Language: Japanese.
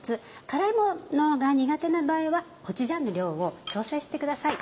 辛いものが苦手な場合はコチュジャンの量を調整してください。